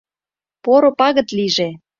— Поро пагыт лийже!